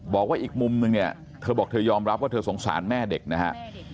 บอกว่าอีกมุมนึงเนี่ยเธอบอกเธอยอมรับว่าเธอสงสารแม่เด็กนะฮะ